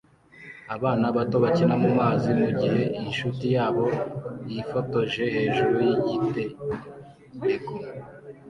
Abana bato bakina mumazi mugihe inshuti yabo yifotoje hejuru yigitereko